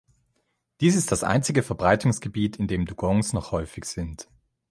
Dies ist das einzige Verbreitungsgebiet, in dem Dugongs noch häufig sind.